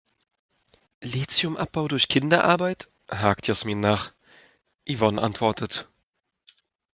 "Lithiumabbau durch Kinderarbeit?", hakt Yasmin nach. Yvonne antwortet.